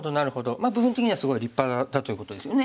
まあ部分的にはすごい立派だということですよね。